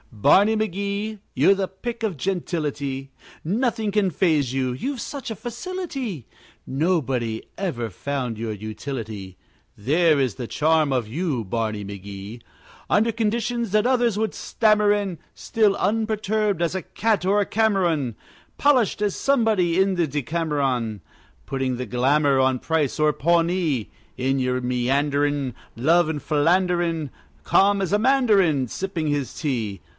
Barney McGee, you're the pick of gentility; Nothing can phase you, you've such a facility; Nobody ever yet found your utility There is the charm of you, Barney McGee; Under conditions that others would stammer in, Still unperturbed as a cat or a Cameron, Polished as somebody in the Decameron, Putting the glamour on price or Pawnee. In your meanderin', Love and philanderin', Calm as a mandarin Sipping his tea!